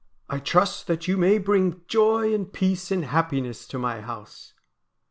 I trust that you may bring joy, and peace, and happiness to my house.'